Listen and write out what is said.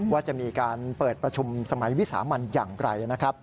ว่าจะมีการเปิดประชุมสภาวิสามัญอย่างไร